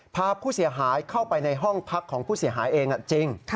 พาผู้เสียหายเข้าไปในห้องพักของผู้เสียหายเองจริง